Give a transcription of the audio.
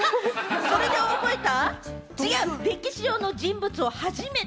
それで覚えた？